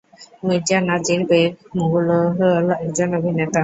মির্জা নাজির বেগ মুগল একজন অভিনেতা।